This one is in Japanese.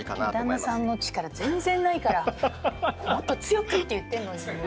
旦那さんの力全然ないからもっと強く！って言ってんのにもう全然。